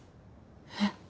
えっ？